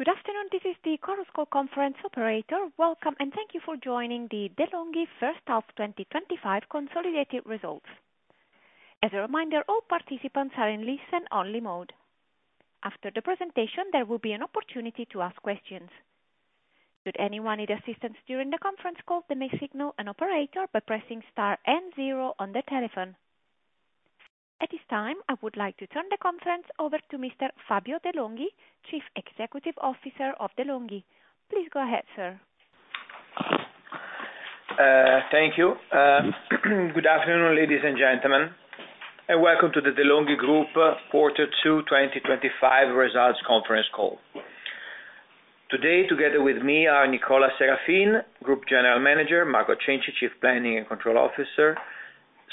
Good afternoon, this is the Chorus Call conference operator. Welcome and thank you for joining the De'Longhi First Half 2025 Consolidated Results. As a reminder, all participants are in listen-only mode. After the presentation, there will be an opportunity to ask questions. Should anyone need assistance during the conference call, they may signal an operator by pressing star and zero on the telephone. At this time, I would like to turn the conference over to Mr. Fabio De'Longhi, Chairman and Chief Executive Officer of De'Longhi. Please go ahead, sir. Thank you. Good afternoon ladies and gentlemen and welcome to the De'Longhi Group Quarter 2 2025 results conference call today. Together with me are Nicola Serafin, Group General Manager, Marco Cenci, Chief Planning and Control Officer,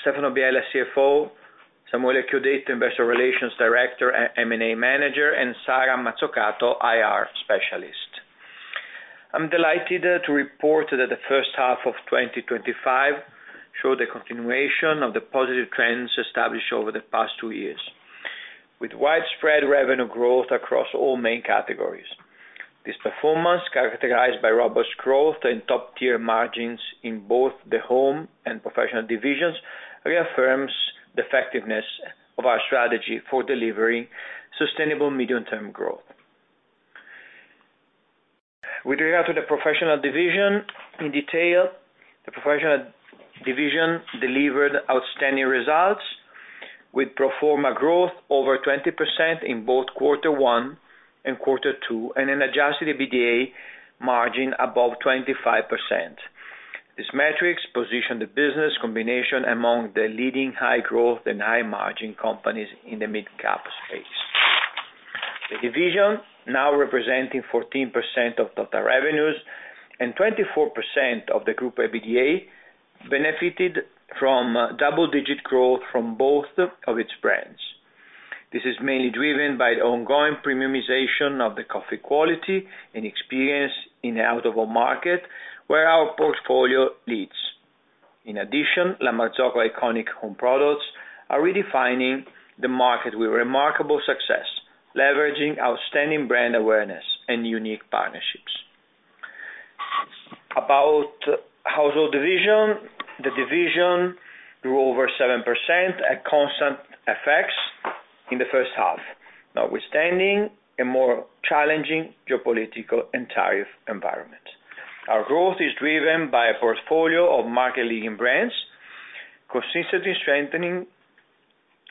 Stefano Biela, CFO, Samuele Chiodetto, Investor Relations Director and M&A Manager, and Sara Mazzocato, IR Specialist. I'm delighted to report that the first half of 2025 showed a continuation of the positive trends established over the past two years with widespread revenue growth across all main categories. This performance, characterized by robust growth and top-tier margins in both the Home and Professional Divisions, reaffirms the effectiveness of our strategy for delivering sustainable medium-term growth. With regard to the Professional Division in detail, the Professional Division delivered outstanding results with pro-forma growth over 20% in both Quarter 1 and Quarter 2 and an adjusted EBITDA margin above 25%. These metrics position the business combination among the leading high-growth and high-margin companies in the mid-cap space. The division, now representing 14% of total revenues and 24% of the Group EBITDA, benefited from double-digit growth from both of its brands. This is mainly driven by the ongoing premiumization of the coffee quality and experience in the out-of-home market where our portfolio leads. In addition, La Marzocco iconic home products are redefining the market with remarkable success, leveraging outstanding brand awareness and unique partnerships. About the Household Division, the division grew over 7% at constant FX in the first half notwithstanding a more challenging geopolitical and tariff environment. Our growth is driven by a portfolio of market-leading brands consistently strengthened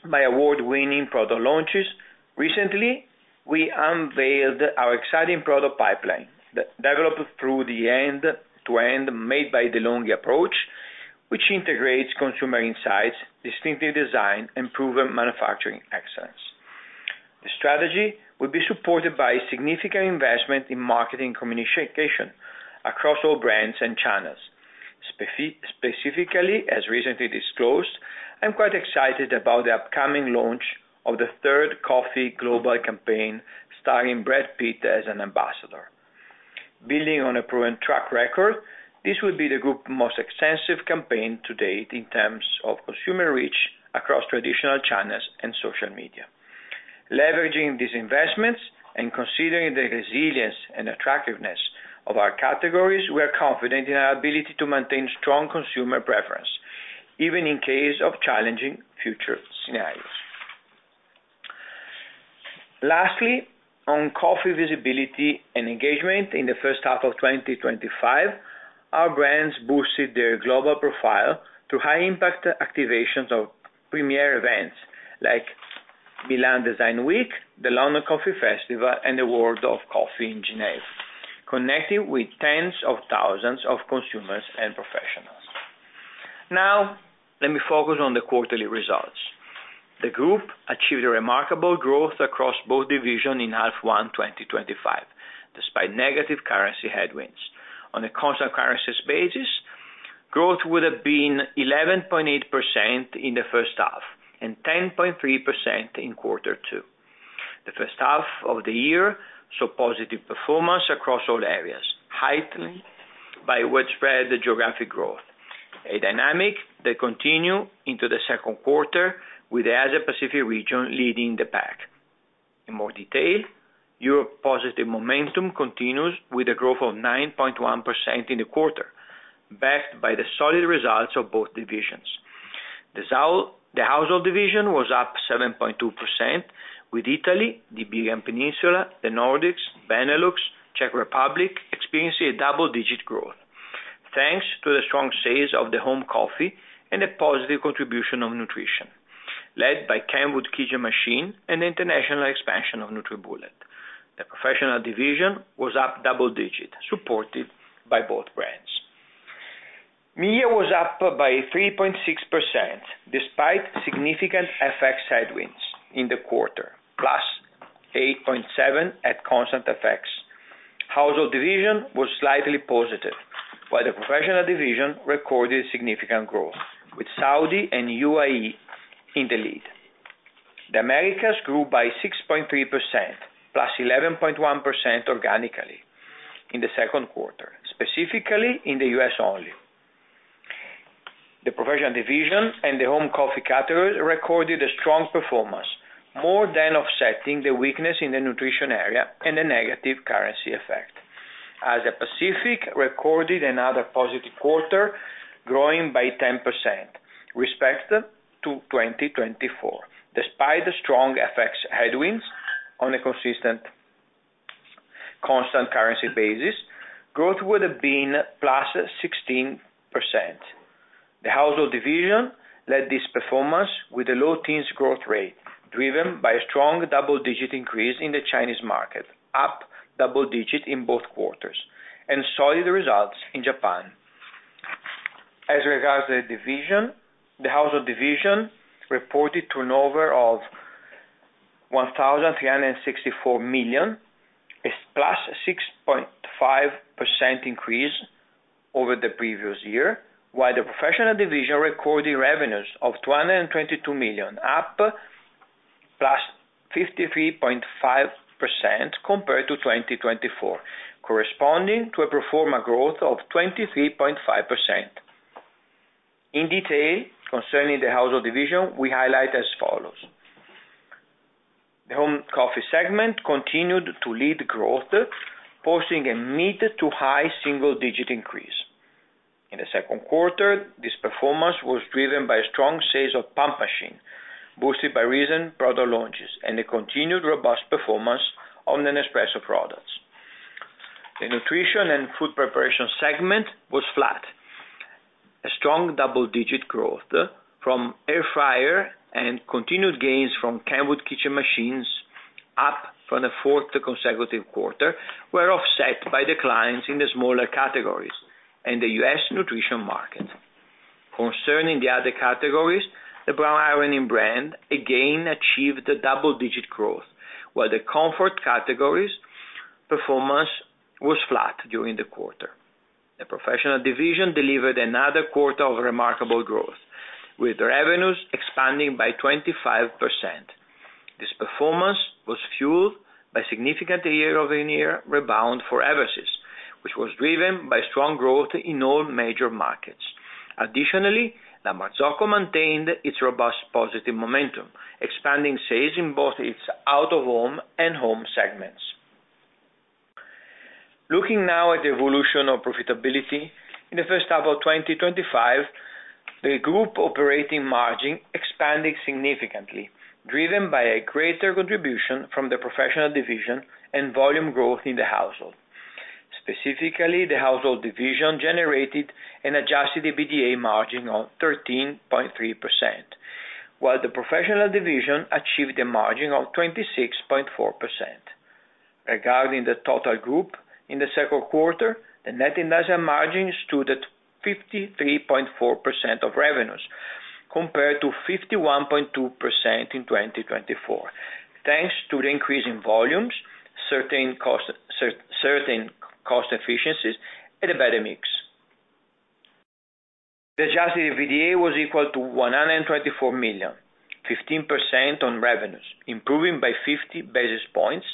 by award-winning product launches. Recently, we unveiled our exciting product pipeline developed through the end-to-end made by De'Longhi approach, which integrates consumer insights, distinctive design, and proven manufacturing excellence. The strategy will be supported by significant investment in marketing communication across all brands and channels. Specifically, as recently disclosed, I'm quite excited about the upcoming launch of the third Coffee Global campaign starring Brad Pitt as an ambassador. Building on a proven track record, this will be the Group's most extensive campaign to date in terms of consumer reach across traditional channels and social media. Leveraging these investments and considering the resilience and attractiveness of our categories, we are confident in our ability to maintain strong consumer preference even in case of challenging future scenarios. Lastly, on coffee visibility and engagement in the first half of 2025, our brands boosted their global profile through high impact activations of premier events like Milan Design Week, the London Coffee Festival, and the World of Coffee in Geneva, connecting with tens of thousands of consumers and professionals. Now let me focus on the quarterly results. The group achieved remarkable growth across both divisions in half one 2025 despite negative currency headwinds. On a constant currency basis, growth would have been 11.8% in the first half and 10.3% in quarter two. The first half of the year saw positive performance across all areas, heightened by widespread geographic growth, a dynamic that continued into the second quarter with the Asia Pacific region leading the pack. In more detail, Europe positive momentum continues with a growth of 9.1% in the quarter, backed by the solid results of both divisions. The Household Division was up 7.2%, with Italy, the Iberian Peninsula, the Nordics, Benelux, and Czech Republic experiencing double digit growth thanks to the strong sales of home coffee and a positive contribution of nutrition led by Kenwood kitchen machines and the international expansion of NutriBullet. The Professional Division was up double digit, supported by both brands. MEIA was up by 3.6% despite significant FX headwinds in the quarter, plus 8.7% at constant FX. Household Division was slightly positive, while the Professional Division recorded significant growth with Saudi and UAE in the lead. The Americas grew by 6.3%, plus 11.1% organically in the second quarter. Specifically, in the U.S., only the Professional Division and the home coffee categories recorded a strong performance, more than offsetting the weakness in the nutrition area and the negative currency effect. Asia Pacific recorded another positive quarter, growing by 10% compared to 2024 despite the strong FX headwinds. On a constant currency basis, growth would have been plus 16%. The Household Division led this performance with a low teens growth rate, driven by a strong double digit increase in the Chinese market, up double digit in both quarters, and solid results in Japan. As regards the division, the Household Division reported turnover of 1,364 million, plus 6.5% increase over the previous year, while the Professional Division recorded revenues of 222 million, up plus 53.5% compared to 2024, corresponding to a pro forma growth of 23.5%. In detail, concerning the Household Division, we highlight as follows. The home coffee segment continued to lead growth, posting a mid to high single digit increase in the second quarter. This performance was driven by strong sales of pump machines, boosted by recent product launches and the continued robust performance of the Nespresso products. The nutrition and food preparation segment was flat. A strong double digit growth from air fryer and continued gains from Kenwood kitchen machines, up for the fourth consecutive quarter, were offset by declines in the smaller categories and the U.S. nutrition market. Concerning the other categories, the Braun ironing brand again achieved a double digit growth, while the comfort category's performance was flat. During the quarter, the Professional Division delivered another quarter of remarkable growth, with revenues expanding by 25%. This performance was fueled by significant year over year rebound for Eversys, which was driven by strong growth in all major markets. Additionally, La Marzocco maintained its robust positive momentum, expanding sales in both its out-of-home and home segments. Looking now at the evolution of profitability in the first half of 2025, the group operating margin expanded significantly, driven by a greater contribution from the Professional Division and volume growth in the Household. Specifically, the Household Division generated an adjusted EBITDA margin of 13.3%, while the Professional Division achieved a margin of 26.4%. Regarding the total group in the second quarter, the net investment margin stood at 53.4% of revenues compared to 51.2% in 2024. Thanks to the increase in volumes, certain cost efficiencies, and a better mix, the adjusted EBITDA was equal to 124 million, 15% on revenues, improving by 50 basis points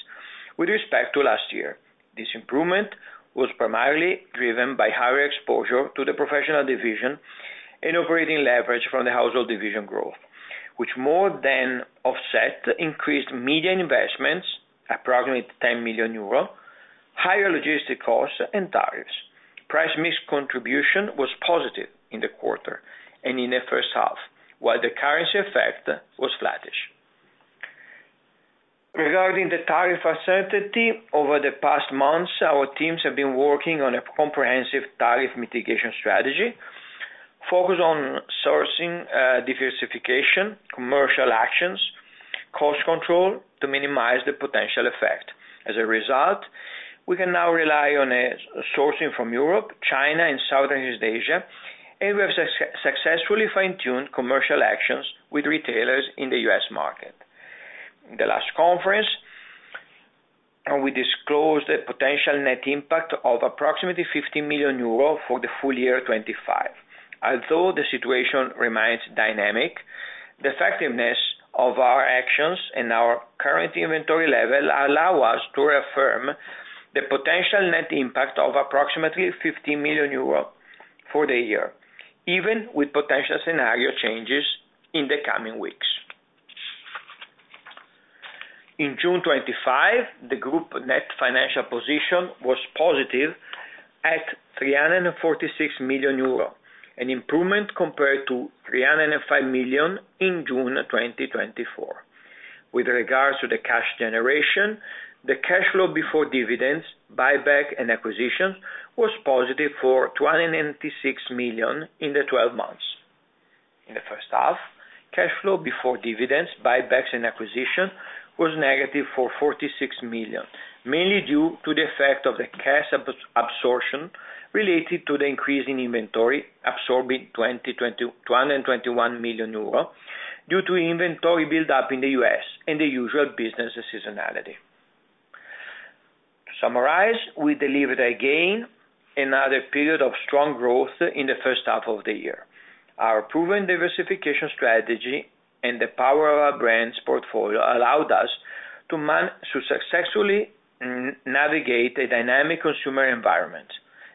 with respect to last year. This improvement was primarily driven by higher exposure to the Professional Division and operating leverage from the Household Division growth, which more than offset increased media investments, approximately 10 million euro, higher logistic costs, and tariffs. Price mix contribution was positive in the quarter and in the first half, while the currency effect was flattish. Regarding the tariff uncertainty over the past months, our teams have been working on a comprehensive tariff mitigation strategy focused on sourcing diversification, commercial actions, and cost control to minimize the potential effect. As a result, we can now rely on sourcing from Europe, China, and Southeast Asia, and we have successfully fine-tuned commercial actions with retailers in the U.S. market. In the last conference, we disclosed a potential net impact of approximately 50 million euro for the full year. Although the situation remains dynamic, the effectiveness of our actions and our current inventory level allow us to reaffirm the potential net impact of approximately 50 million euro for the year, even with potential scenario changes in the coming weeks. In June 2025, the Group net financial position was positive at 346 million euro, an improvement compared to 305 million in June 2024. With regards to the cash generation, the cash flow before dividends, buyback, and acquisitions was positive for 286 million in the first half. Cash flow before dividends, buybacks, and acquisitions was negative for 46 million, mainly due to the effect of the cash absorption related to the increase in inventory, absorbing 221 million euro due to inventory buildup in the U.S. and the usual business seasonality. To summarize, we delivered another period of strong growth in the first half of the year. Our proven diversification strategy and the power of our brands portfolio allowed us to successfully navigate a dynamic consumer environment.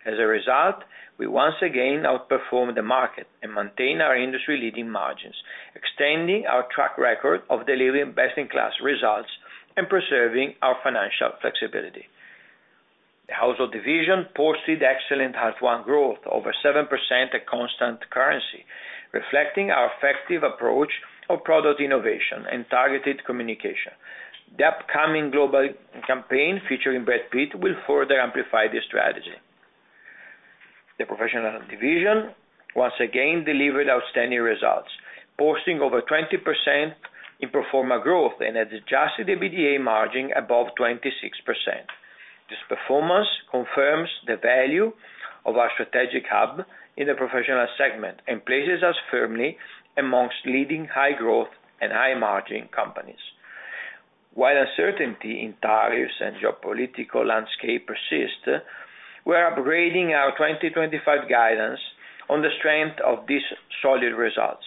As a result, we once again outperformed the market and maintained our industry-leading margins, extending our track record of delivering best-in-class results and preserving our financial flexibility. The Household Division posted excellent H1 growth over 7% at constant currency, reflecting our effective approach of product innovation and targeted communication. The upcoming global campaign featuring Brad Pitt will further amplify this strategy. The Professional Division once again delivered outstanding results, posting over 20% in pro forma growth and has adjusted EBITDA margin above 26%. This performance confirms the value of our strategic hub in the professional segment and places us firmly amongst leading high-growth and high-margin companies. While uncertainty in tariffs and geopolitical landscape persists, we are upgrading our 2025 guidance on the strength of these solid results.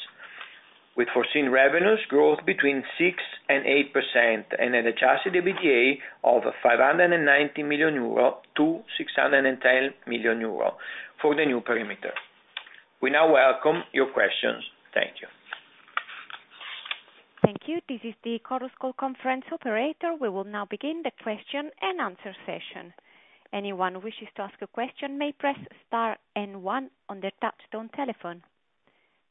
With foreseen revenues growth between 6% and 8% and an adjusted EBITDA of 590 million euro to 610 million euro for the new perimeter. We now welcome your questions. Thank you. Thank you. This is the Chorus Call Conference Operator. We will now begin the question and answer session. Anyone who wishes to ask a question may press star and one on the touch-tone telephone.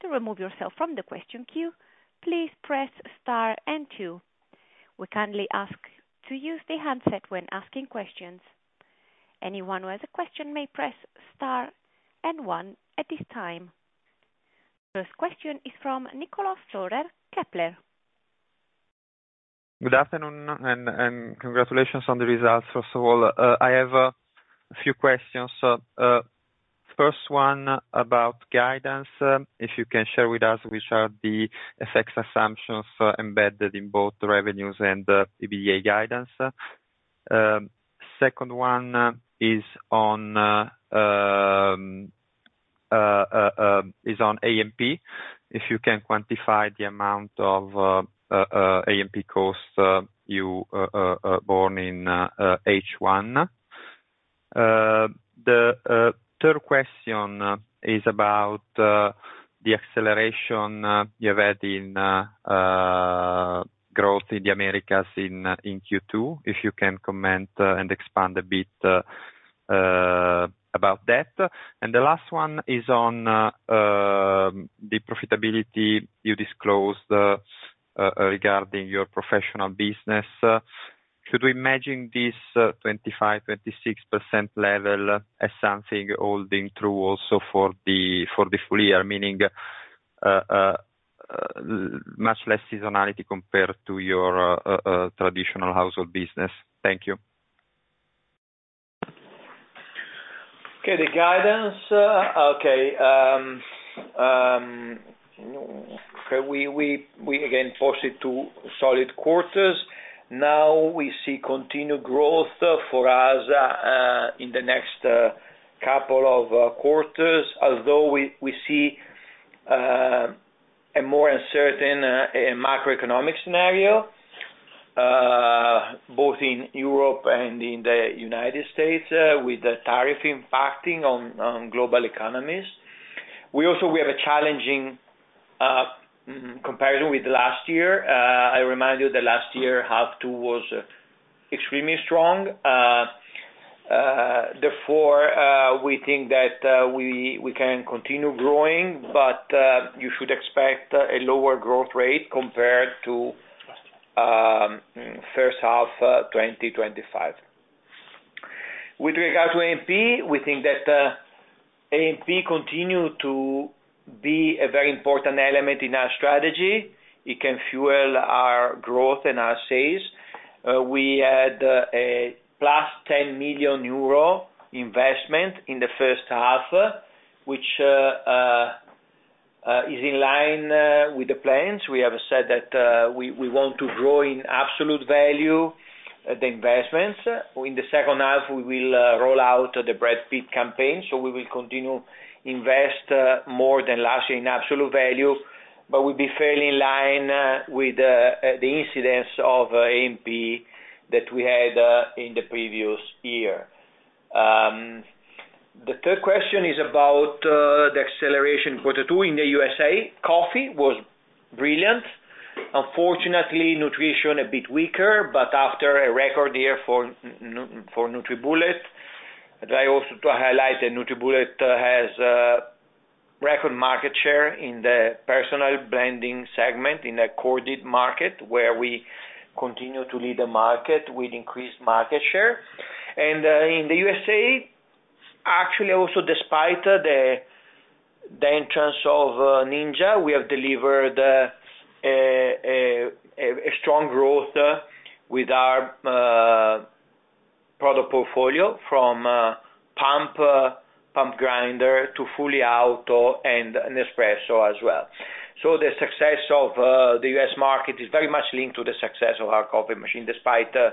To remove yourself from the question queue, please press star and two. We kindly ask you to use the handset when asking questions. Anyone who has a question may press and one at this time. First question is from Niccolo'​ Storer, Kepler. Good afternoon and congratulations on the results. First of all, I have a few questions. First one about guidance. If you can share with us which are the FX assumptions embedded in both revenues and EBITDA guidance. Second one is on A&P. If you can quantify the amount of A&P costs you borne in H1. The third question is about the acceleration you've had in growth in the Americas in Q2. If you can comment and expand a bit about that, and the last one is on the profitability you disclosed regarding your professional business. Should we imagine this 25, 26% level as something holding true also for the full year, meaning much less seasonality compared to your traditional household business? Thank you. Okay, the guidance. Okay. We again posted two solid quarters now. We see continued growth for us in the next couple of quarters, although we see a more uncertain macroeconomic scenario both in Europe and in the U.S. with the tariff impacting on global economies. We also have a challenging comparison with last year. I remind you that last year half two was extremely strong. Therefore, we think that we can continue growing, but you should expect a lower growth rate compared to first half 2025. With regard to AMP, we think that AMP continues to be a very important element in our strategy. It can fuel our growth and our sales. We had a 10 million euro investment in the first half, which is in line with the plans we have said that we want to grow in absolute value. The investments in the second half, we will roll out the Brad Pitt campaign. We will continue to invest more than last year in absolute value, but will be fairly in line with the incidence of AMP that we had in the previous year. The third question is about the acceleration in quarter two in the U.S.A. coffee was brilliant. Unfortunately, nutrition a bit weaker, but after a record year for NutriBullet. Try also to highlight that NutriBullet has record market share in the personal blending segment in a crowded market where we continue to lead the market with increased market share. In the U.S.A. actually also, despite the entrance of Ninja, we have delivered a strong growth with our product portfolio from pump grinder to fully auto and Nespresso as well. The success of the U.S. market is very much linked to the success of our coffee machine despite the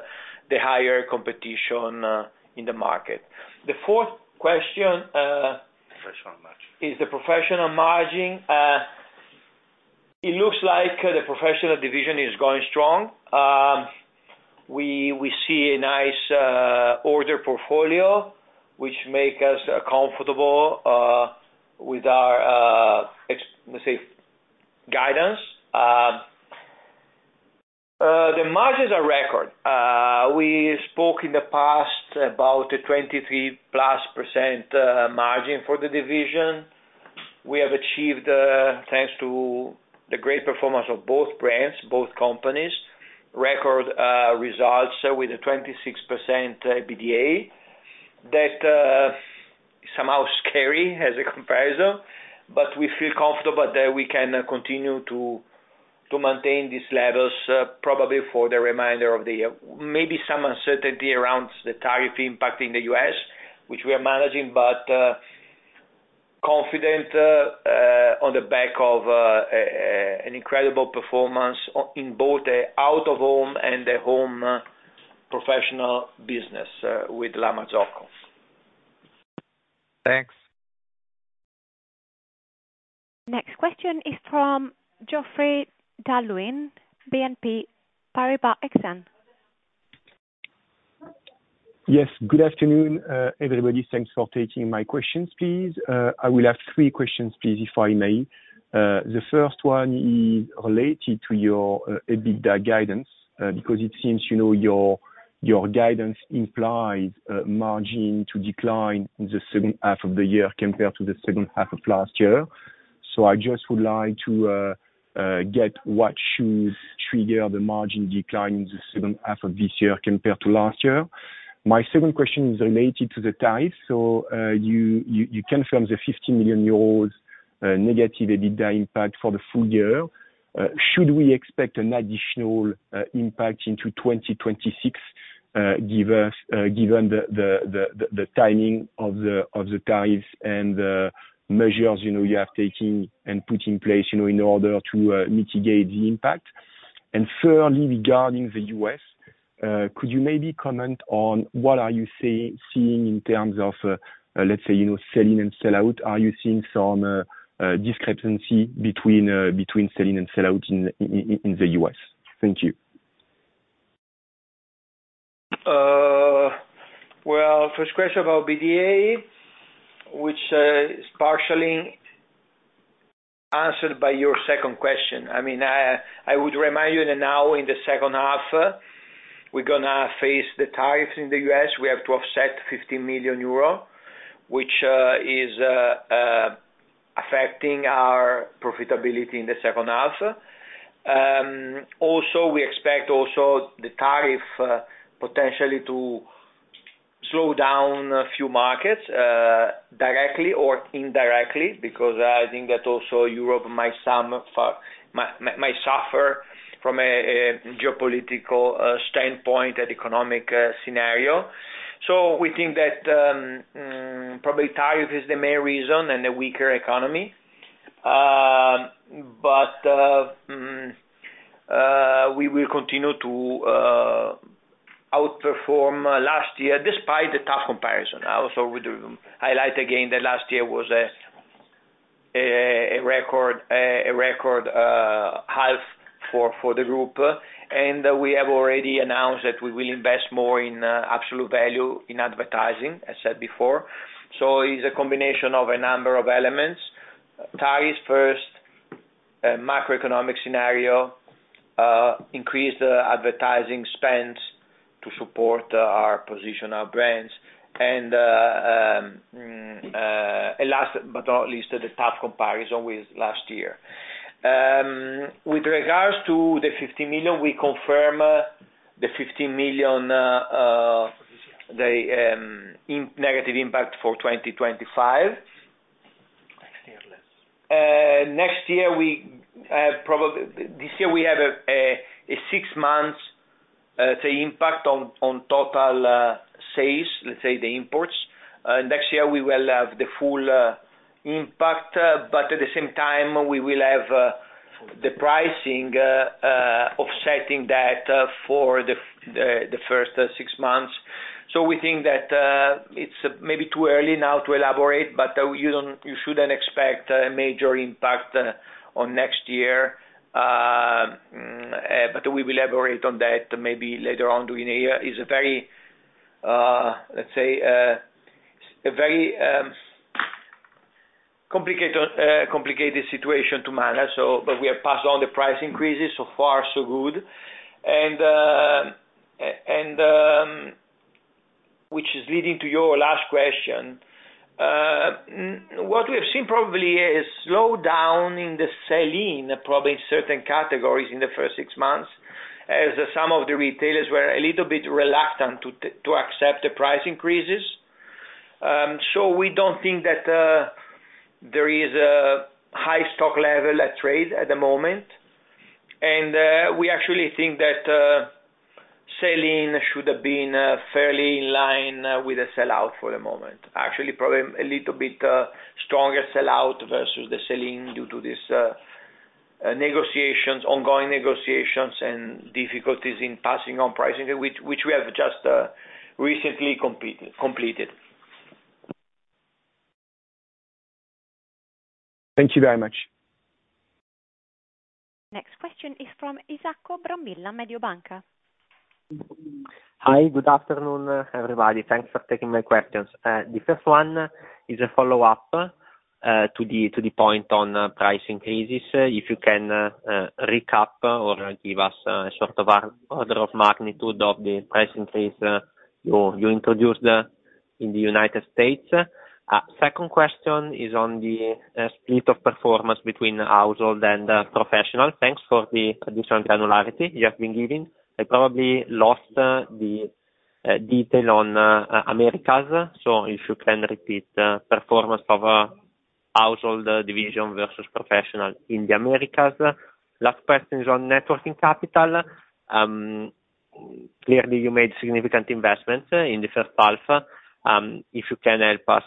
higher competition in the market. The fourth question is the professional margin. It looks like the Professional Division is going strong. We see a nice order portfolio which makes us comfortable with our guidance. The margins are record. We spoke in the past about 23% plus margin for the division we have achieved thanks to the great performance of both brands. Both companies record results with a 26% EBITDA. That is somehow scary as a comparison, but we feel comfortable that we can continue to maintain these levels probably for the remainder of the year. Maybe some uncertainty around the tariff impact in the U.S. which we are managing, but confident on the back of an incredible performance in both the out-of-home and home professional business with La Marzocco. Thanks. Next question is from Geoffrey Darwin, BNP Paribas Exane. Yes. Good afternoon everybody. Thanks for taking my questions, please. I will have three questions, please, if I may. The first one is related to your EBITDA guidance because it seems, you know, your guidance implies margin to decline in the second half of the year compared to the second half of last year. I just would like to get what should trigger the margin decline in the second half of this year compared to last year. My second question is related to the so you confirm the 15 million euros negative EBITDA impact for the full year. Should we expect an additional impact into 2026 given the timing of the tariffs and measures you have taken and put in place in order to mitigate the impact? Thirdly, regarding the U.S., could you maybe comment on what are you seeing in terms of, let's say, you know, selling and sellout? Are you seeing some discrepancy between selling and sellout in the U.S.? Thank you. The first question about EBITDA is partially answered by your second question. I would remind you that now in the second half we're going to face the tariffs in the U.S. We have to offset 15 million euro, which is affecting our profitability in the second half. We also expect the tariff potentially to slow down a few markets directly or indirectly because I think that Europe might suffer from a geopolitical standpoint and economic scenario. We think that probably the tariff is the main reason and a weaker economy. We will continue to outperform last year despite the tough comparison. Also, we highlight again that last year was a record half for the group and we have already announced that we will invest more in absolute value in advertising, as said before. It is a combination of a number of elements. Tariff is first, macroeconomic scenario, increased advertising spend to support our position, our brands, and last but not least, the tough comparison with last year. With regards to the 15 million, we confirm the 15 million, the negative impact for 2025. Next year, probably this year we have a six months impact on total sales, let's say the imports. Next year we will have the full impact, but at the same time we will have the pricing offsetting that for the first six months. We think that it's maybe too early now to elaborate, but you shouldn't expect a major impact on next year. We will elaborate on that maybe later on during the year. It is a very complicated situation to manage, but we have passed on the price increases. So far so good, which is leading to your last question. What we have seen probably is a slowdown in the sell-in probably in certain categories in the first six months as some of the retailers were a little bit reluctant to accept the price increases. We don't think that there is a high stock level at trade at the moment and we actually think that sell-in should have been fairly in line with the sell-out for the moment. Actually, probably a little bit stronger sell-out versus the sell-in due to these ongoing negotiations and difficulties in passing on pricing, which we have just recently completed. Thank you very much. Next question is from Isacco Brambilla, Mediobanca. Hi, good afternoon everybody. Thanks for taking my questions. The first one is a follow-up to the point on price increases. If you can recap or give us a sort of order of magnitude of the price increase you introduced in the United States. Second question is on the split of performance between household and professional. Thanks for the additional granularity you have been giving. I probably lost the detail on Americas. If you can repeat performance of a household division versus professional in the Americas. Last question is on net working capital. Clearly you made significant investments in the first half. If you can help us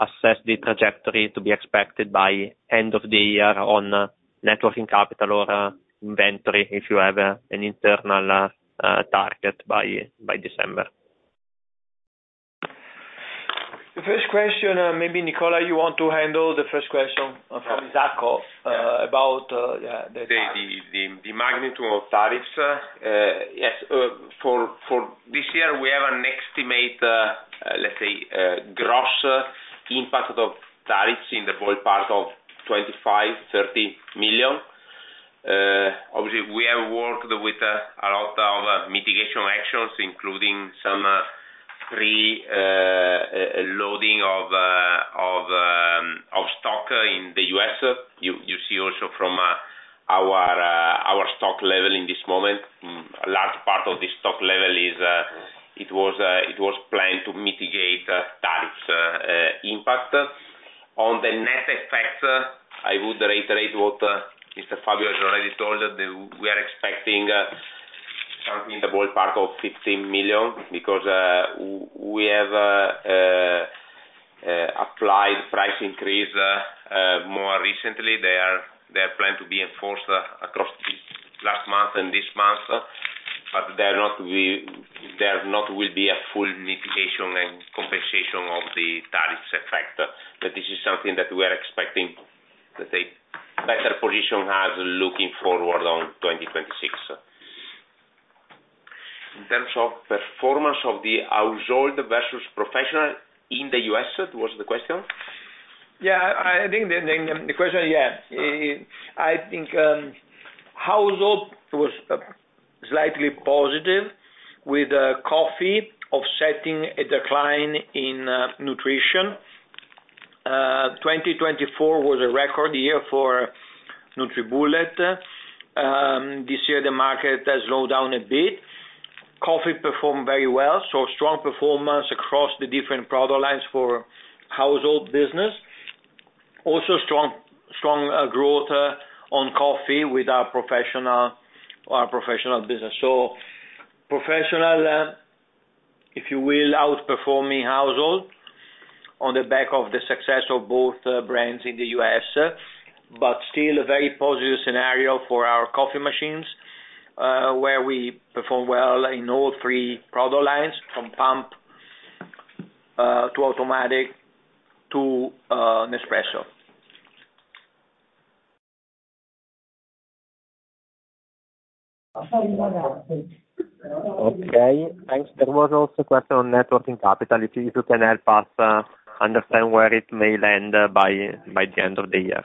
assess the trajectory to be expected by end of the year on net working capital or inventory if you have an internal target by December? The first question, maybe Nicola you want to handle the first question from Isacco about. The magnitude of tariffs. Yes. For this year we have an estimate, let's say gross impact of tariffs in the ballpark of $25-30 million. Obviously, we have worked with a lot of mitigation actions, including some preloading of stock in the U.S. You see also from our stock level in this moment, a large part of the stock level was planned to mitigate tariffs impact. On the net effect, I would reiterate what Mr. Fabio De'Longhi has already told you. We are expecting something in the ballpark of $15 million because we have applied price increase more recently. They are planned to be enforced across last month and this month, but there will not be a full mitigation and compensation of the tariffs effect. This is something that we are expecting better position as looking forward on 2026 in terms of performance of the household vessels. Professional in the U.S., was the question? I think household was slightly positive with coffee offsetting a decline in nutrition. 2024 was a record year for NutriBullet. This year the market has slowed down a bit. Coffee performed very well. Strong performance across the different product lines for household business. Also strong growth on coffee with our professional business. Professional, if you will, outperforming household on the back of the success of both brands in the U.S., but still a very positive scenario for our coffee machines where we perform well in all three product lines from pump to automatic to Nespresso. Okay, thanks. There was also a question on net working capital. If you can help us understand where it may land by the end of the year.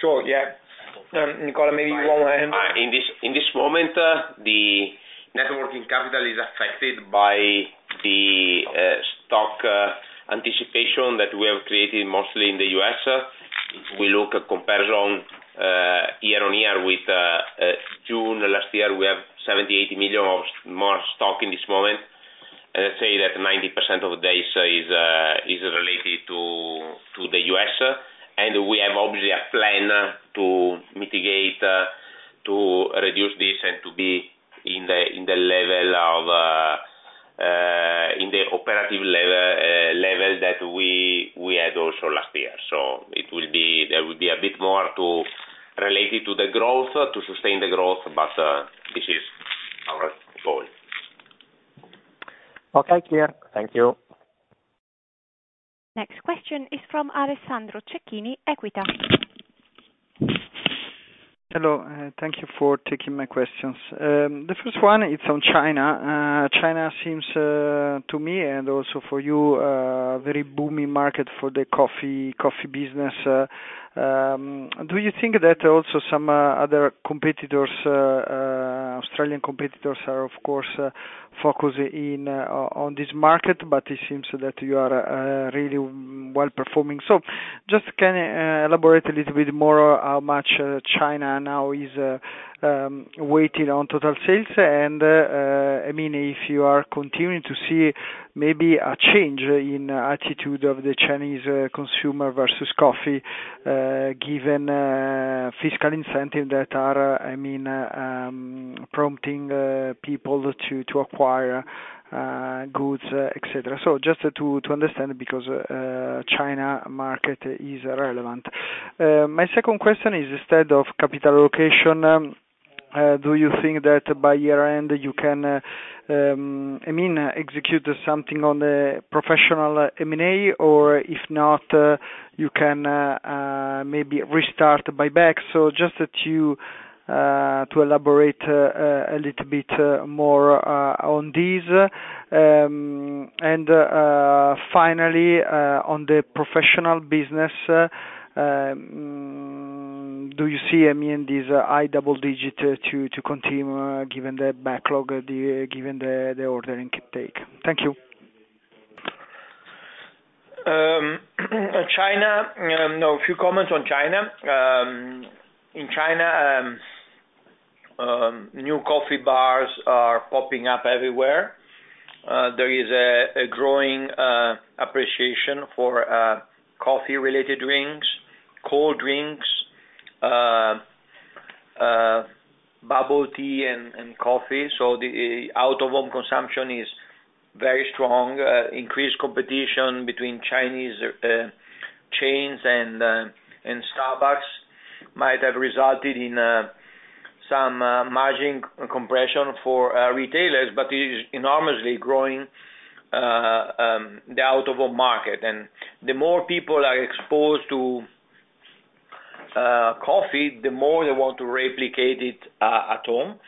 Sure. Yes. Nicola, maybe you want to hand in? In this moment the net working capital is affected by the stock anticipation that we have created mostly in the U.S. If we look at comparison year on year with June last year, we have $70 million, $80 million of more stock in this moment. Let's say that 90% of this is related to the U.S. and we have obviously a plan to mitigate, to reduce this and to be in the level of, in the operative level that we had also last year. There will be a bit more related to the growth, to sustain the growth. This is our goal. Okay, clear. Thank you. Next question is from Alessandro Cecchini, Equita. Hello. Thank you for taking my questions. The first one is on China. China seems to me and also for you, very booming market for the coffee business. Do you think that also some other competitors, Australian competitors, are of course focusing on this market, but it seems you are really well performing. Could you elaborate a little bit more how much China now is weighted on total sales? I mean, if you are continuing to see maybe a change in attitude of the Chinese consumer versus coffee given fiscal incentive that are prompting people to acquire goods, etc. I just want to understand because China market is relevant. My second question is instead on capital allocation. Do you think that by year end you can execute something on the professional M&A or if not you can maybe restart buyback? Could you elaborate a little bit more on these? Finally, on the professional business, do you see these high double digit to continue given the backlog, given the ordering take? Thank you. China. A few comments on China. In China, new coffee bars are popping up everywhere. There is a growing appreciation for coffee-related drinks, cold drinks, bubble tea, and coffee. The out-of-home consumption is very strong. Increased competition between Chinese chains and Starbucks might have resulted in some margin compression for retailers. It is enormously growing the out-of-home market. The more people are exposed to coffee, the more they want to replicate it at home,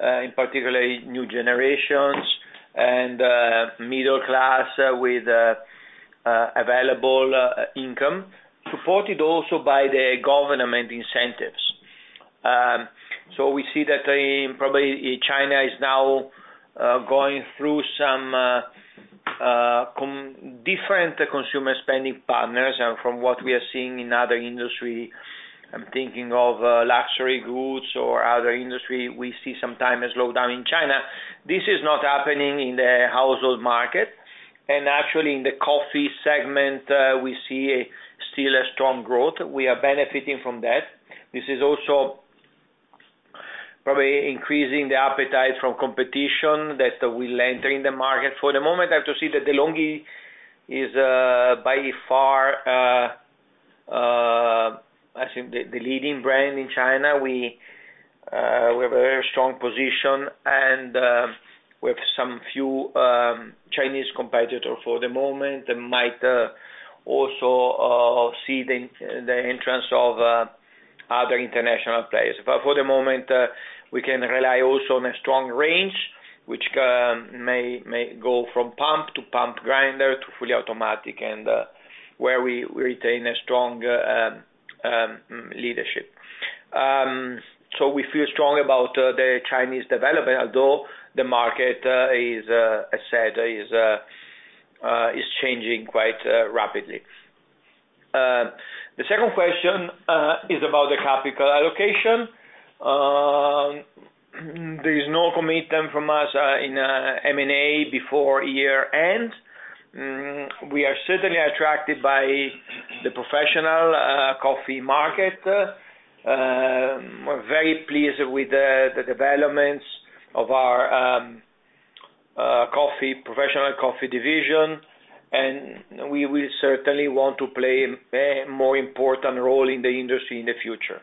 in particular new generations and middle class with available income, supported also by the government incentives. We see that probably China is now going through some different consumer spending patterns, and from what we are seeing in other industries, I'm thinking of luxury goods or other industries, we see sometimes a slowdown in China. This is not happening in the household market, and actually in the coffee segment we see still a strong growth. We are benefiting from that. This is also probably increasing the appetite from competition that are entering the market. For the moment, I have to say that De'Longhi is by far the leading brand in China. We have a very strong position and we have some few Chinese competitors for the moment that might also see the entrance of other international players. For the moment, we can rely also on a strong range which may go from pump to pump grinder to fully automatic, and where we retain a strong leadership. We feel strong about the Chinese development, although the market, as said, is changing quite rapidly. The second question is about the capital allocation. There is no commitment from us in M&A before year end. We are certainly attracted by the professional coffee market. We're very pleased with the developments of our Professional Coffee Division and we will certainly want to play a more important role in the industry in the future.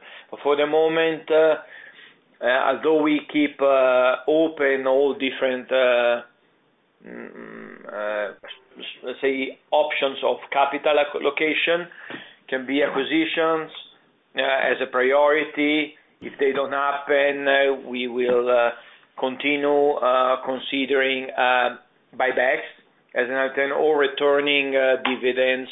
Although we keep open all different options of capital allocation, it can be acquisitions as a priority. If they don't happen, we will continue considering buybacks as an alternative or returning dividends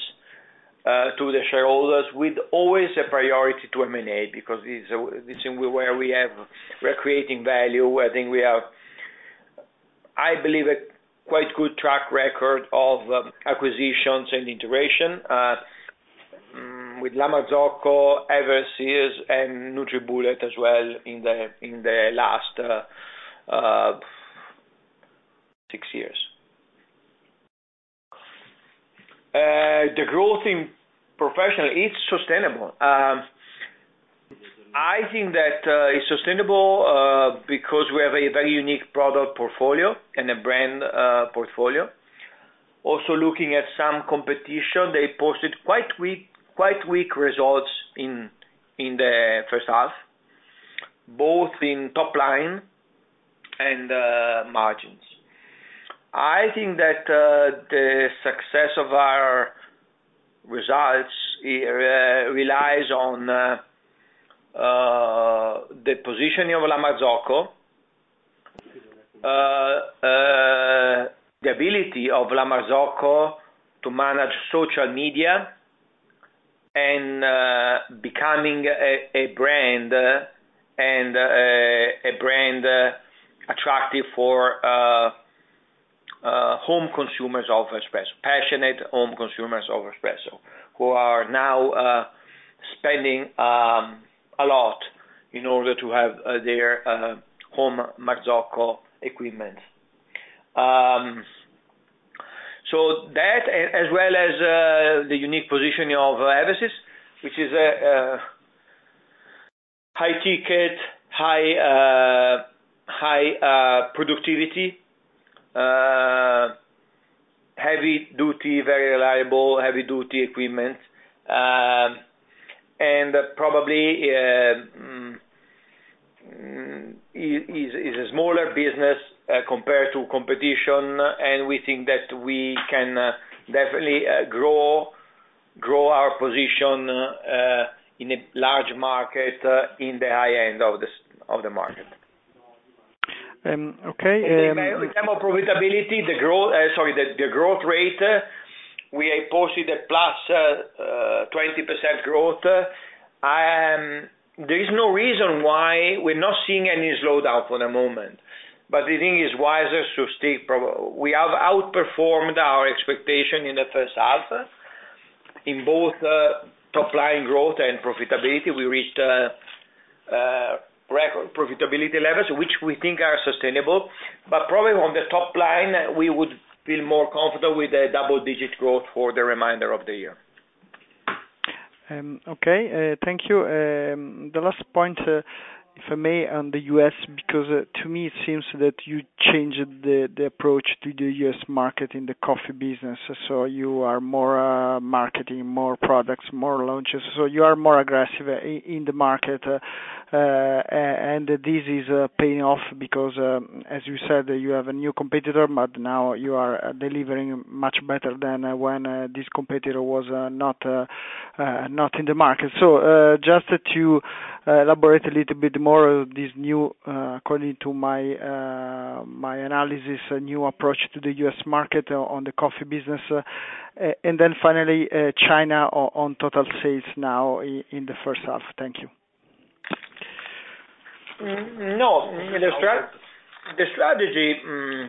to the shareholders, with always a priority to M&A because this is where we are creating value. I think we have, I believe, a quite good track record of acquisitions and integration with La Marzocco, Eversys, and NutriBullet as well in the last six years. The growth in professional is sustainable. I think that it's sustainable because we have a very unique product portfolio and a brand portfolio. Also, looking at some competition, they posted quite weak results in the first half, both in top line and margins. I think that the success of our results relies on the positioning of La Marzocco, the ability of La Marzocco to manage social media and becoming a brand attractive for home consumers of espresso. Passionate home consumers of espresso who are now spending a lot in order to have their home La Marzocco equipment. That, as well as the unique position of Eversys, which is high ticket, high productivity, very reliable heavy duty equipment, and probably is a smaller business compared to competition. We think that we can definitely grow our position in a large market in the high end of the market. Okay. In terms of profitability, the growth rate we posted a plus 20% growth. There is no reason why we're not seeing any slowdown for the moment. The thing is wiser to stick. We have outperformed our expectation in the first half in both top line growth and profitability. We reached record profitability levels, which we think are sustainable. Probably on the top line we would feel more comfortable with a double digit growth for the remainder of the year. Okay, thank you. The last point, if I may, on the U.S. because to me it seems that you changed the approach to the U.S. market in the coffee business. You are more marketing, more products, more launches, so you are more aggressive in the market. This is a payoff because, as you said, you have a new competitor, but now you are delivering much better than when this competitor was not in the market. Just to elaborate a little bit more, these new, to my analysis, a new approach to the U.S. market on the coffee business, and then finally China on total sales now in the first half. Thank you. No, Minister, the strategy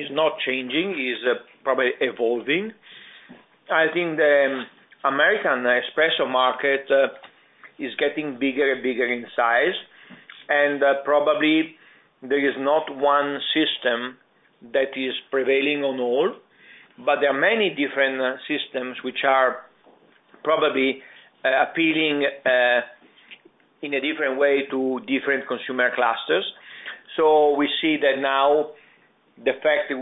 is not changing, is probably evolving. I think the American espresso market is getting bigger and bigger in size and probably there is not one system that is prevailing on all. There are many different systems which are probably appealing in a different way to different consumer clusters. We see that now the fact that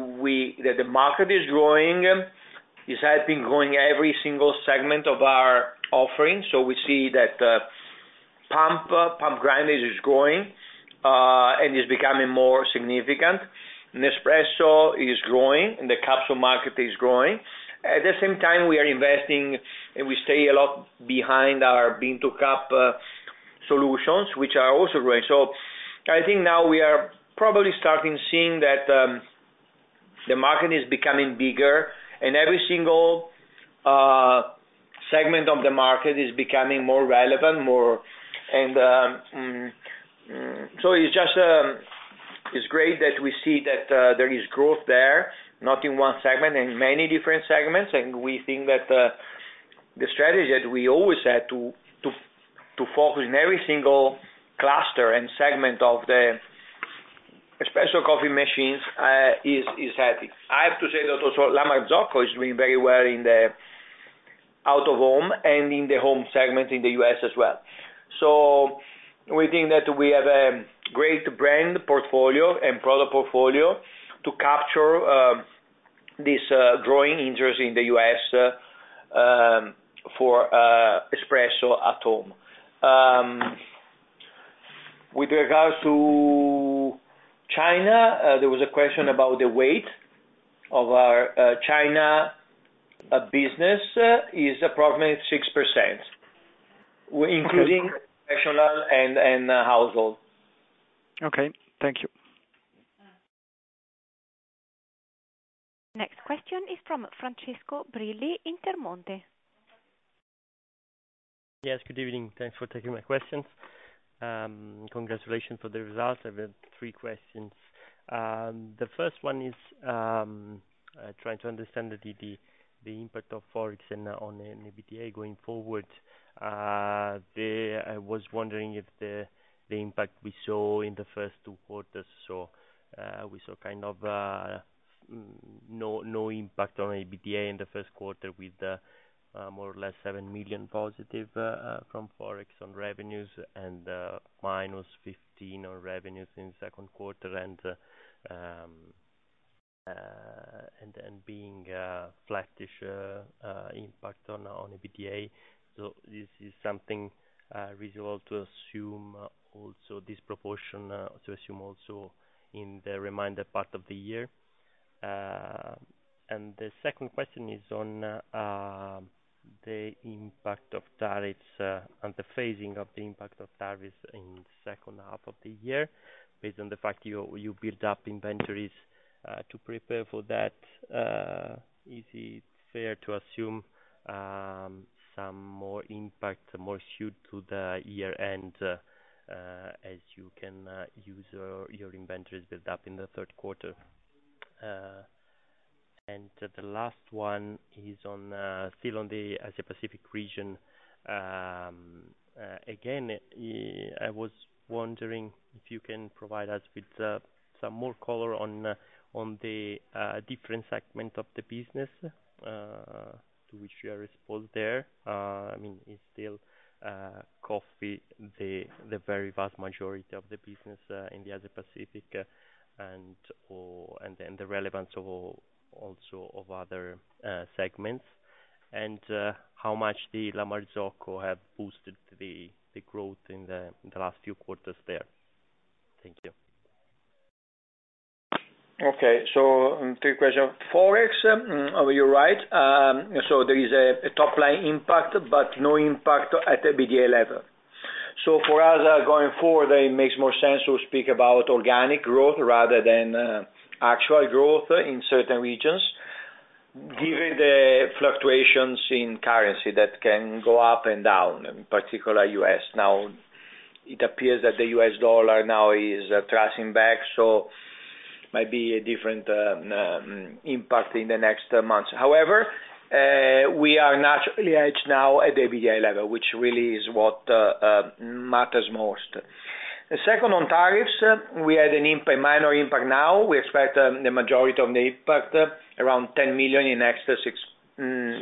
the market is growing is helping growing every single segment of our offering. We see that pump grindage is growing and is becoming more significant. Nespresso is growing and the capsule market is growing. At the same time, we are investing and we stay a lot behind our bean to cup solutions which are also growing. I think now we are probably starting seeing that the market is becoming bigger and every single segment of the market is becoming more relevant, more. It's just, it's great that we see that there is growth there, not in one segment, in many different segments. We think that the strategy that we always had to focus in every single cluster and segment of the special coffee machines is hectic. I have to say that also La Marzocco is doing very well in the out-of-home and in the home segment in the U.S. as well. We think that we have a great brand portfolio and product portfolio to capture this growing interest in the U.S. for espresso at home. With regards to China, there was a question about the weight of our China business. It is approximately 6% including national and household. Okay, thank you. Next question is from Francesco Brilli, Intermonte. Yes, good evening. Thanks for taking my questions. Congratulations for the results. I've had three questions. The first one is trying to understand the impact of FX on EBITDA going forward. I was wondering if the impact we saw in the first two quarters, we saw kind of no impact on EBITDA in the first quarter with more or less $7 million positive from FX on revenues and minus $15 million on revenues in the second quarter and being flattish impact on EBITDA. Is this something reasonable to assume also this proportion to assume also in the remainder part of the year? The second question is on the impact of tariffs and the phasing of the impact of tariffs in the second half of the year. Based on the fact you built up inventories to prepare for that, is it fair to assume some more impact more suited to the year end as you can use your inventories built up in the third quarter? The last one is still on the Asia Pacific region. I was wondering if you can provide us with some more color on the different segments of the business to which you are exposed there. I mean, it's still coffee, the very vast majority of the business in the Asia Pacific, and then the relevance also of other segments and how much the La Marzocco have boosted the growth in the last few quarters there. Thank you. Okay, so three questions. FX, you're right. There is a top line impact but no impact at EBITDA level. For us going forward it makes more sense to speak about organic growth rather than actual growth in certain regions given the fluctuations in currency that can go up and down. In particular, U.S. now, it appears that the U.S. Dollar now is trashing back, so might be a different impact in the next months. However, we are now at the EBITDA level, which really is what matters most. The second on tariffs, we had a minor impact. Now we expect the majority of the impact, around $10 million in the next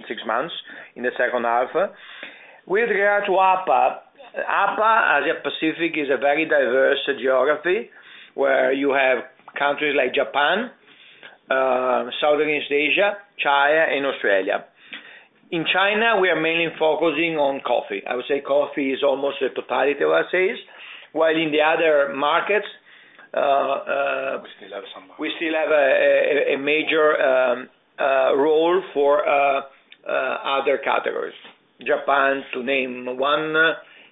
six months, in the second half. With regard to APA, APA, Asia Pacific is a very diverse geography where you have countries like Japan, Southeast Asia, China, and Australia. In China, we are mainly focusing on coffee. I would say coffee is almost a totality of our sales, while in the other markets we still have a major role for other categories. Japan, to name one,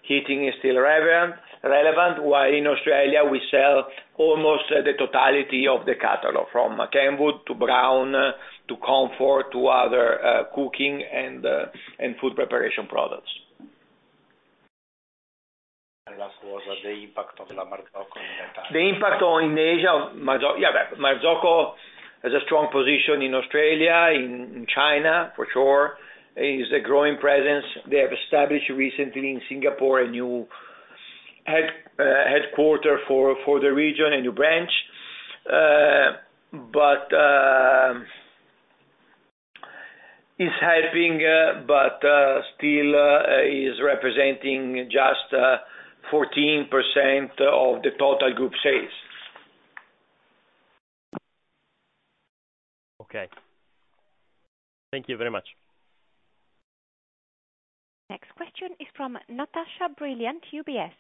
heating is still relevant, while in Australia we sell almost the totality of the catalog, from Kenwood to Braun to Comfort to other cooking and food preparation products. And last quarter, was the impact of La Marzocco in that time? The impact in Asia. Yeah, La Marzocco has a strong position in Australia. In China for sure is a growing presence. They have established recently in Singapore a new headquarter for the region, a new branch, which is helping, but still is representing just 14% of the total group sales. Okay, thank you very much. Next question is from Natasha Brilliant, UBS.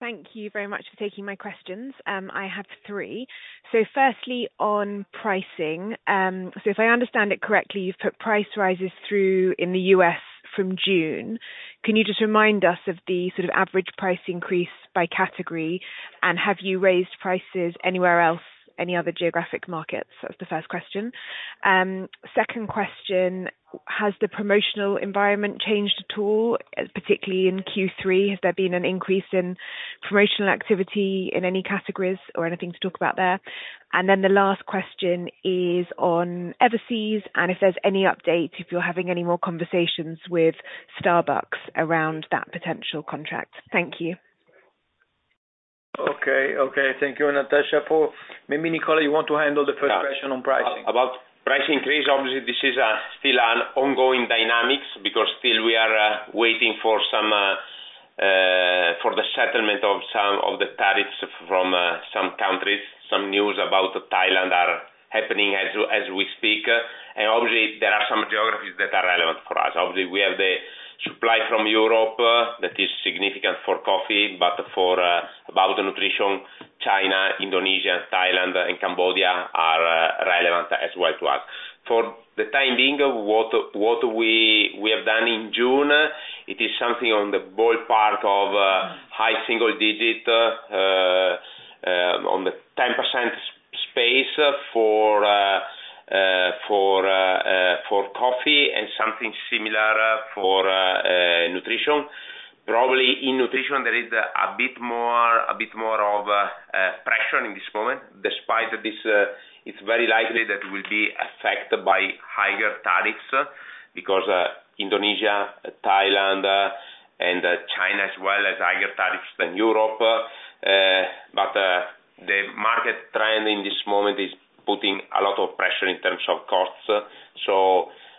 Thank you very much for taking my questions. I have three. Firstly, on pricing, if I understand it correctly, you've put price rises through in the U.S. from June. Can you just remind us of the sort of average price increase by category, and have you raised prices anywhere else, any other geographic markets? That's the first question. Second question, has the promotional environment changed at all, particularly in Q3? Has there been an increase in promotional activity in any categories or anything to talk about there? The last question is on Eversys and if there's any updates, if you're having any more conversations with Starbucks around that potential contract? Thank you. Okay, thank you, Natasha. Maybe, Nicola, you want to handle the first question. On pricing, about price increase. Obviously, this is still an ongoing dynamics because still we are waiting for the settlement of some of the tariffs from some countries. Some news about Thailand are happening as we speak, and obviously there are some geographies that are relevant for us. Obviously, we have the supply from Europe that is significant for coffee, but for about the nutrition, China, Indonesia, Thailand, and Cambodia are relevant as well to us. For the time being, what we have done in June, it is something on the ballpark of high single digit on the 10% space for coffee and something similar for nutrition. Probably in nutrition, there is a bit more of pressure in this moment. Despite this, it's very likely that will be affected by higher tariffs because Indonesia, Thailand, and China as well as higher tariffs than Europe. The market trend in this moment is putting a lot of pressure in terms of costs.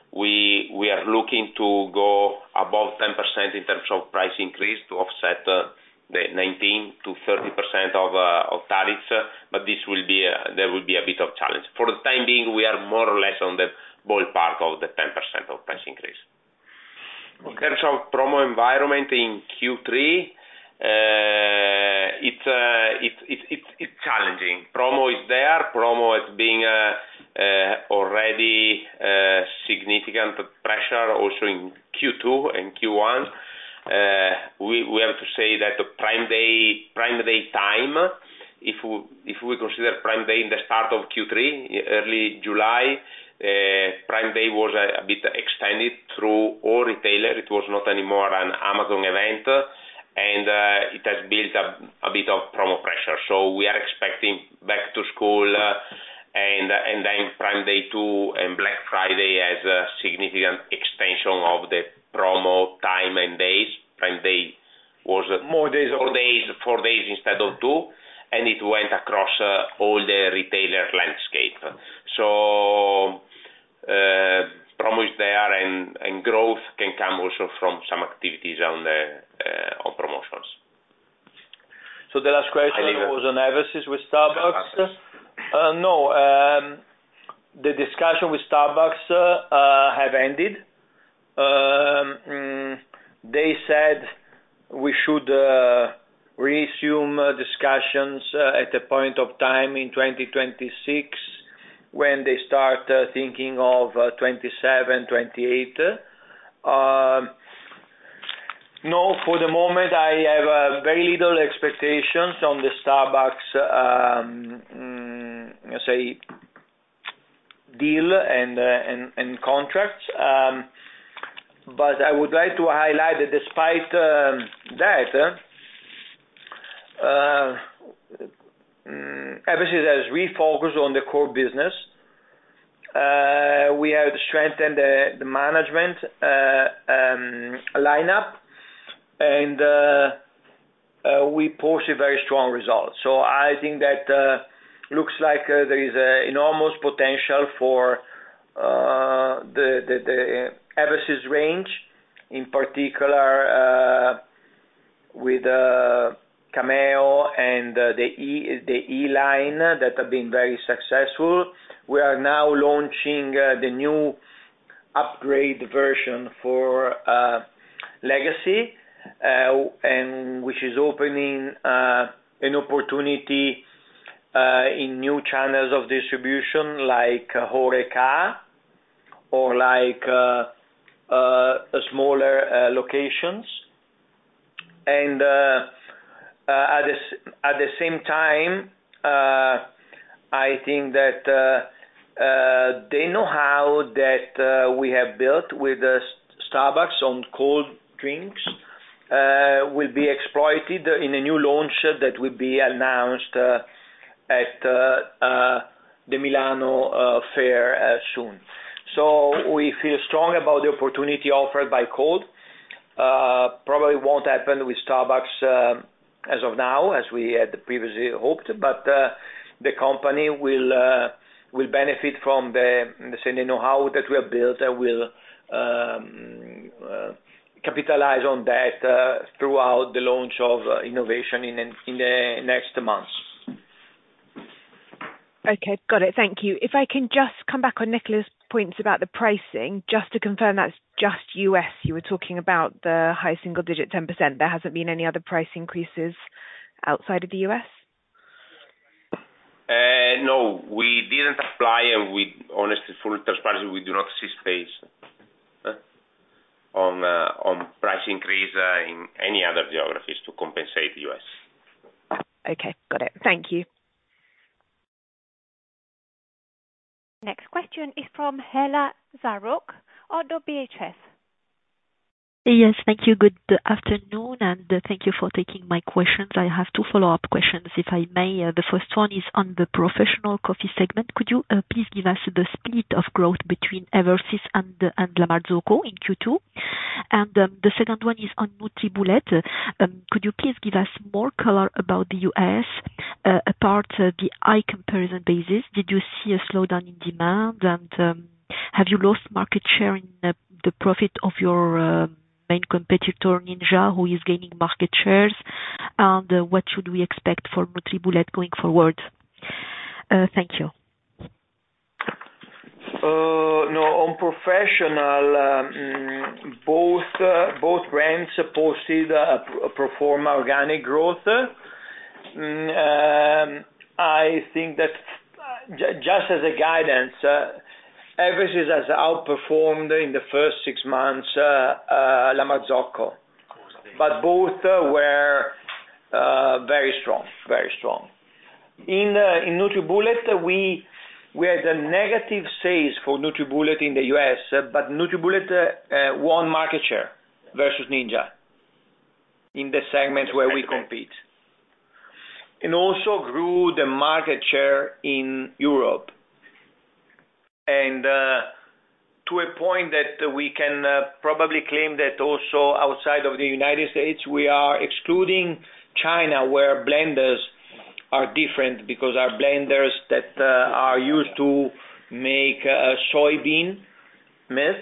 We are looking to go above 10% in terms of price increase to offset the 19% to 30% of tariffs, but there will be a bit of challenge. For the time being, we are more or less on the part of the 10% of price increase. In terms of promo environment in Q3, it's challenging. Promo is there, promo has been already significant pressure also in Q2 and Q1. We have to say that Prime Day time, if we consider Prime Day in the start of Q3, early July, Prime Day was a bit extended through all retailer. It was not anymore an Amazon event, and it has built up a bit of promo pressure. We are expecting back to school and then Prime Day 2 and Black Friday as a significant extension of the promo time and days. Prime Day was more days, four days instead of two, and it went across all the retailer landscape. So promise there, and growth can come also from some activities on the promotions. The last question was on Eversys with Starbucks. No, the discussions with Starbucks have ended. They said we should resume discussions at a point in 2026 when they start thinking of 2027-2028. No, for the moment I have very little expectations on the Starbucks deal and contracts. I would like to highlight that despite that, Eversys has refocused on the core business, we have strengthened the management lineup, and we post a very strong result. I think that looks like there is an enormous potential for the Eversys range, in particular with Cameo and the E line that have been very successful. We are now launching the new upgraded version for Legacy, which is opening an opportunity in new channels of distribution like Horeca or smaller locations. At the same time, I think that the know-how that we have built with Starbucks on cold drinks will be exploited in a new launch that will be announced at the Milano Fair soon. We feel strong about the opportunity offered by cold. It probably won't happen with Starbucks as of now as we had previously hoped, but the company will benefit from the significant know-how that we have built and will capitalize on that throughout the launch of innovation in the next months. Okay, got it. Thank you. If I can just come back on Niccolòs points about the pricing. Just to confirm that's just U.S. You were talking about the high single digit 10%. There hasn't been any other price increases outside of the U.S.? No, we didn't apply and, honestly, full transparency, we do not see space on price increase in any other geographies to compensate us. Okay, got it. Thank you. Next question is from Héla Zarrouk of Oddo BHF.. Yes, thank you. Good afternoon and thank you for taking my questions. I have two follow up questions if I may. The first one is on the professional coffee segment. Could you please give us the split of growth between Eversys and La Marzocco in Q2? The second one is on NutriBullet. Could you please give us more color about the U.S.? Apart from the high comparison basis, did you see a slowdown in demand and have you lost market share in the profit of your main competitor Ninja, who is gaining market shares, and what should we expect for NutriBullet going forward? Thank you. No, on Professional both brands posted pro organic growth. I think that just as a guidance Eversys has outperformed in the first six months La Marzocco, but both were very strong, very strong in NutriBullet. We had a negative sales for NutriBullet in the U.S., but NutriBullet won market share versus Ninja in the segments where we compete and also grew the market share in Europe, and to a point that we can probably claim that also outside of the United States we are excluding China where blenders are different because our blenders that are used to make soybean milk.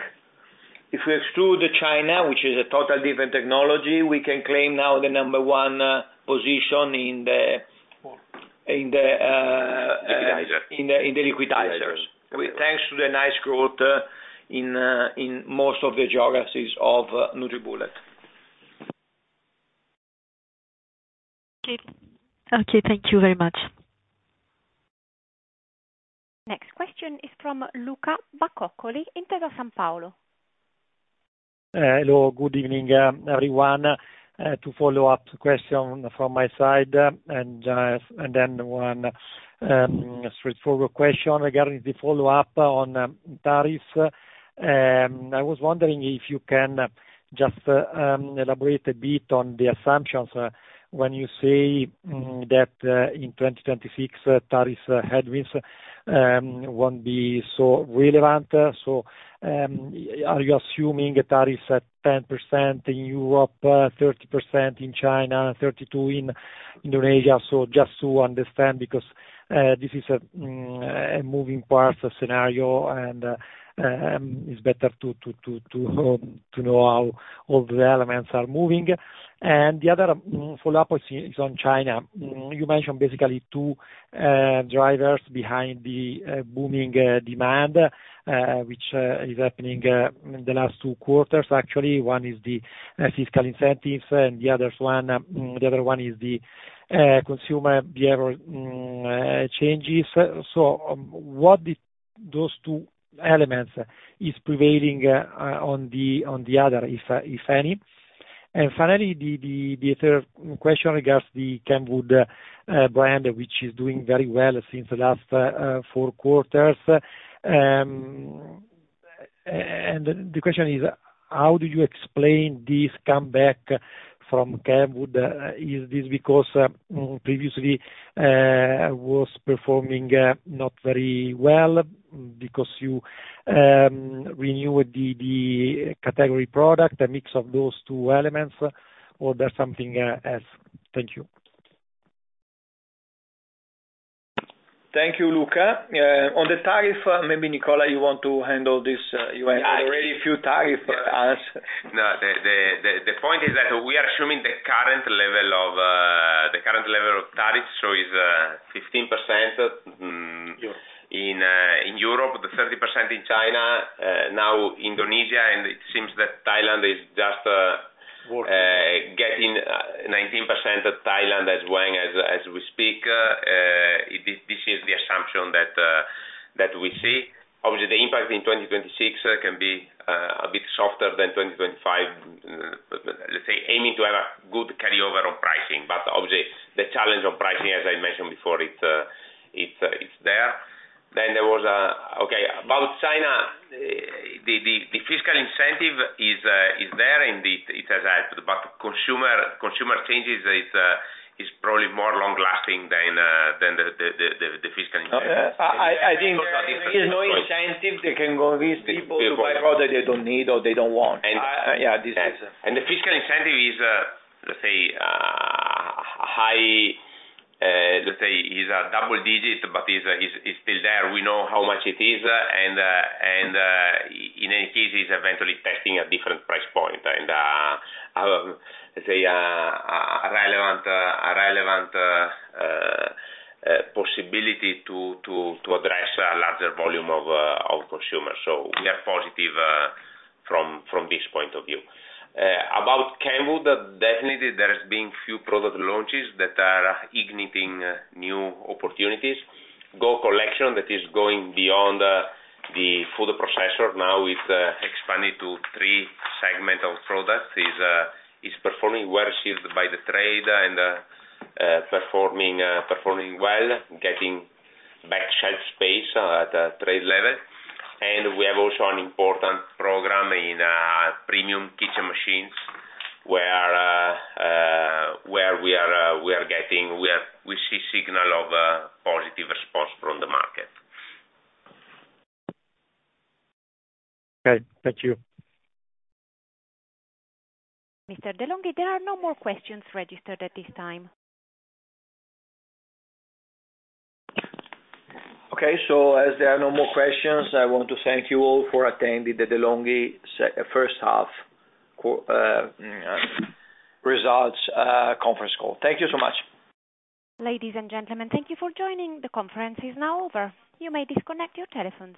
If we exclude China, which is a total different technology, we can claim now the number one position in the liquidizers thanks to the nice growth in most of the geographies of NutriBullet. Okay, thank you very much. Next question is from Luca Bacoccoli in Intesa Sanpaolo. Hello, good evening everyone. To follow up, question from my side and then one straightforward question regarding the follow up on tariff. I was wondering if you can just elaborate a bit on the assumptions when you say that in 2026 tariff headwinds won't be so relevant. Are you assuming tariffs at 10% in Europe, 30% in China, 32% in Indonesia? Just to understand because this is a moving part scenario and it's better to know how all the elements are moving. The other follow up is on, you mentioned basically two drivers behind the booming demand which is happening in the last two quarters actually. One is the fiscal incentives and the other one is the consumer behavior changes. Which of those two elements is prevailing on the other, if any? Finally, the third question regards the Kenwood brand which is doing very well since the last four quarters. The question is how do you explain this comeback from Kenwood? Is this because previously it was performing not very well, because you renewed the category product, a mix of those two elements, or something else? Thank you. Thank you, Luca. On the tariff, maybe Nicola, you want to handle this? You already have a few tariff answers. No, the point is that we are assuming the current level of tariffs is 15% in Europe, 30% in China, now Indonesia, and it seems that Thailand is just getting 19% as we speak. This is the assumption that we see. Obviously, the impact in 2026 can be a bit softer than 2025, aiming to have a good carryover of pricing. Obviously, the challenge of pricing, as I mentioned before, is there. There was a question about China. The fiscal incentive is there and it has helped, but consumer changes are probably more long lasting than the fiscal incentive. I think there is no incentive. They can convince people to buy products they don't need or they don't want. The fiscal incentive is, let's say, high, let's say is a double digit, but it's still there. We know how much it is, and in any case, is eventually testing a different price point and a relevant possibility to address a larger volume of consumers. We are positive from this point of view about Kenwood. Definitely, there's been a few product launches that are igniting new opportunities. Go collection that is going beyond the food processor now, it expanded to 3 segments of products, is performing well, received by the trade and performing well, getting back shelf space at trade level, and we have also an important program in premium kitchen machines where we are getting, we see signal of a positive response from the market. Okay, thank you. Mr. De'Longhi, there are no more questions registered at this time. Okay, as there are no more questions, I want to thank you all for attending the De'Longhi First Half Results Conference Call. Thank you so much. Ladies and gentlemen thank you for joining. The conference is now over. You may disconnect your telephones.